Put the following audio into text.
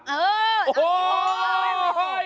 เออโอ้โห